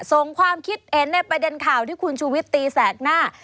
ความคิดเห็นในประเด็นข่าวที่คุณชูวิตตีแสกหน้า